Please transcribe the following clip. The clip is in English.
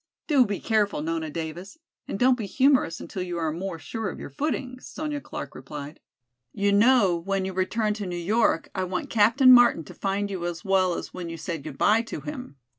"Do be careful, Nona Davis, and don't be humorous until you are more sure of your footing," Sonya Clark replied. "You know when you return to New York I want Captain Martin to find you as well as when you said goodby to him.